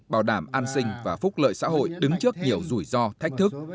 bảo đảm an sinh và phúc lợi xã hội đứng trước nhiều rủi ro thách thức